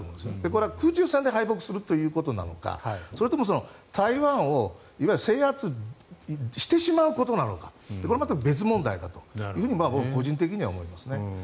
これは空中戦で敗北するということなのかそれとも台湾を制圧してしまうことなのかこれまた別問題だと僕個人的には思いますね。